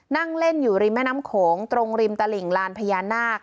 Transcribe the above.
นั่งเล่นอยู่ริมแม่น้ำโขงตรงริมตลิ่งลานพญานาค